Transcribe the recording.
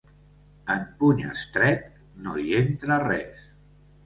En puny estret, no hi entra res.